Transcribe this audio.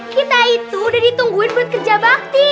kita itu udah ditungguin buat kerja bakti